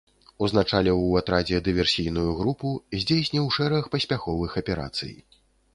Узначаліў у атрадзе дыверсійную групу, здзейсніў шэраг паспяховых аперацый.